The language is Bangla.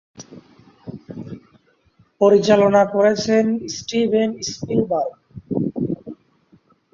পরিচালনা করেছেন স্টিভেন স্পিলবার্গ।